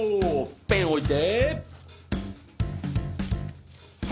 ペン置いて。